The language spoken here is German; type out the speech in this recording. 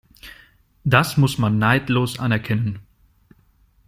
Das muss man neidlos anerkennen.